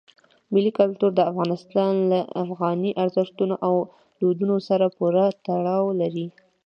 ملي کلتور د افغانستان له افغاني ارزښتونو او دودونو سره پوره تړاو لري.